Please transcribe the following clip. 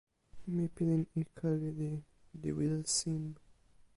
mi pilin ike lili, li wile sin.